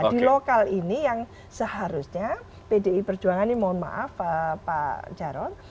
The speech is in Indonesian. di lokal ini yang seharusnya pdi perjuangan ini mohon maaf pak jarod